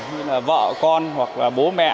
như là vợ con bố mẹ